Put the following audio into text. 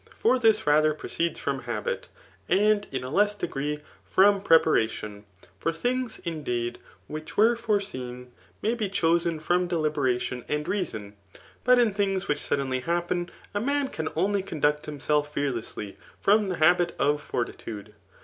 For this rathar proceeds from habit, and in a less degree from prepara tion: For things, indeed, which were foreseen, may be chosen from deliberation and reason; but in things which suddenly happai, a man can only conduct himself fear lessly from the habit of fortitude.